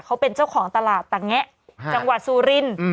เขาเป็นเจ้าของตลาดต่างแนะจังหวัดสูริน